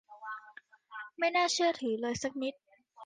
ไม่น่าเชื่อถือเลยสักนิด !